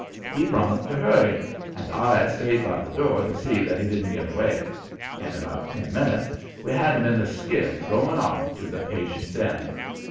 He promised to hurry, and I stayed by the door to see that he didn't get away. In about ten minutes we had him in the skiff rowing off to the Patience M.